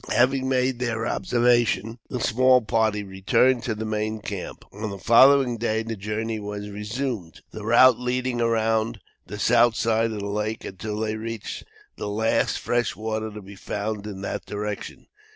Having made their observations, the small party returned to the main camp. On the following day the journey was resumed, the route leading around the south side of the lake, until they reached the last fresh water to be found in that direction.